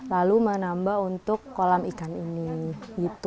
lalu menambah untuk kolam ikan ini